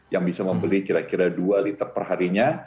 yang bisa membeli kira kira dua liter perharinya